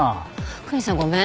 クニさんごめん。